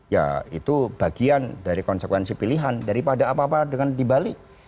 ya itu bagian dari konsekuensi pilihan daripada apa apa dengan dibalik